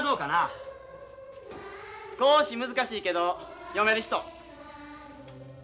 少し難しいけど読める人？